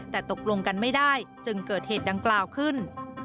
แต่ตกลงกันไม่ได้จึงเกิดเหตุดังกล่าวขึ้น